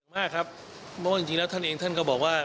มากครับเพราะว่าจริงแล้วท่านเองท่านก็บอกว่า